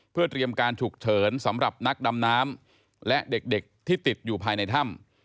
เพื่อเตรียมการฉุกเฉินสำหรับนักดำน้ำและเด็กที่ติดอยู่ภายในถ้ำ